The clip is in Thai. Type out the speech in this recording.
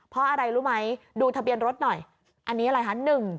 เพราะอะไรรู้ไหมดูทะเบียนรถหน่อยอันนี้อะไรคะ